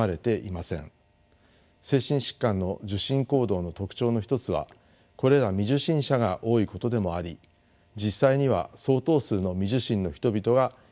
精神疾患の受診行動の特徴の一つはこれら未受診者が多いことでもあり実際には相当数の未受診の人々がいると考えられます。